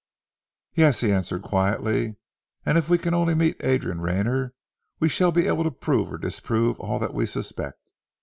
"Yes," he answered quietly. "And if we can only meet Adrian Rayner we shall be able to prove or disprove all that we suspect.